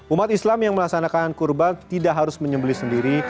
umat islam yang melaksanakan kurban tidak harus menyembeli sendiri